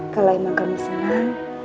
kalau emang kamu senang